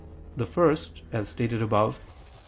The first, as stated above (Q.